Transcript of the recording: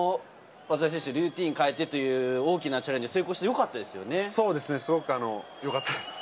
やっぱり、この松田選手、ルーティンを変えてという大きなチャレンジ、成功してよかったですごくよかったです。